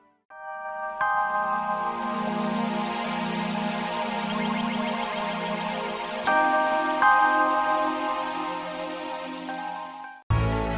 terima kasih bu